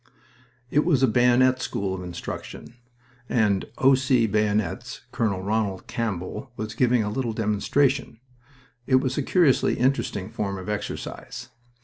It was a bayonet school of instruction, and "O. C. Bayonets" Col. Ronald Campbell was giving a little demonstration. It was a curiously interesting form of exercise.